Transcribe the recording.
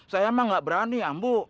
saya emang gak berani ambu